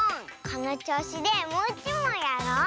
このちょうしでもういちもんやろう！